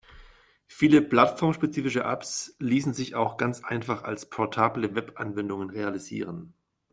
Viele plattformspezifische Apps ließen sich auch ganz einfach als portable Webanwendung realisieren.